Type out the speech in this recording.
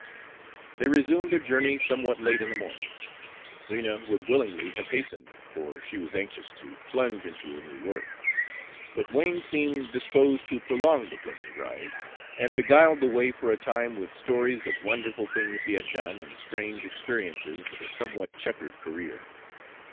They resumed their journey somewhat late in the morning. Rena would willingly have hastened, for she was anxious to plunge into her new work; but Wain seemed disposed to prolong the pleasant drive, and beguiled the way for a time with stories of wonderful things he had done and strange experiences of a somewhat checkered career.